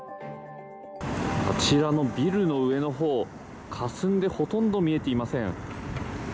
あちらのビルの上のほう、かすんでほとんど見えていません。